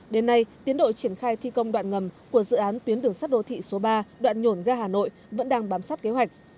đến nay tiến đội triển khai thi công đoạn ngầm của dự án tuyến đường sắt đô thị số ba đoạn nhổn ga hà nội vẫn đang bám sát kế hoạch